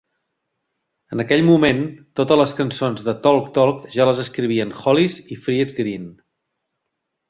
En aquell moment, totes les cançons de Talk Talk ja les escrivien Hollis i Friese-Greene.